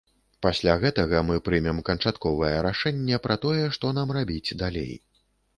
Пасля гэтага мы прымем канчатковае рашэнне пра тое, што нам рабіць далей.